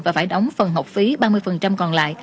và phải đóng phần học phí ba mươi còn lại